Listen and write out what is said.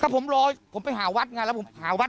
ผมรอผมไปหาวัดไงแล้วผมหาวัด